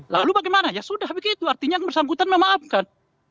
lalu bagaimana ya sudah begitu artinya yang bersangkutan memaafkan